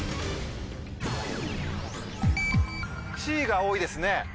Ｃが多いですね。